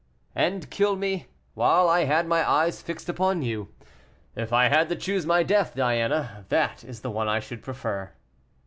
"And kill me, while I had my eyes fixed upon you. If I had to choose my death, Diana, that is the one I should prefer."